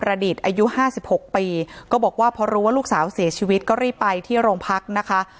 อายุ๕๖ปีก็บอกว่าพอรู้ว่าลูกสาวเสียชีวิตก็รีบไปที่โรงพักนะคะ